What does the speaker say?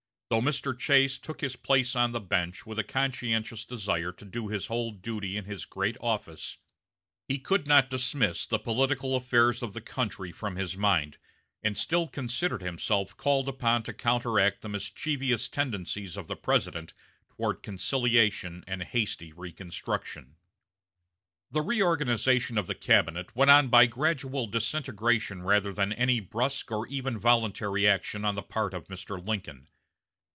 Though Mr. Chase took his place on the bench with a conscientious desire to do his whole duty in his great office, he could not dismiss the political affairs of the country from his mind, and still considered himself called upon to counteract the mischievous tendencies of the President toward conciliation and hasty reconstruction. The reorganization of the cabinet went on by gradual disintegration rather than by any brusque or even voluntary action on the part of Mr. Lincoln.